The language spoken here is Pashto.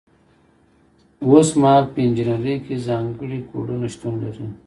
اوس مهال په انجنیری کې ځانګړي کوډونه شتون لري.